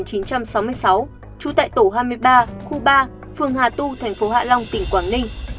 sinh năm một nghìn chín trăm sáu mươi sáu trú tại tổ hai mươi ba khu ba phương hà tu thành phố hạ long tỉnh quảng ninh